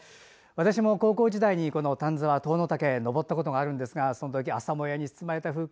私も高校時代に丹沢塔ノ岳を登ったことがあるんですが朝もやに包まれた風景